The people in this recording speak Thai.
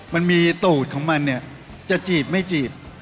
มันมีตูดของมันเนี่ยจะจีบไม่จีบ